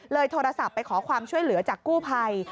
โทรศัพท์ไปขอความช่วยเหลือจากกู้ภัย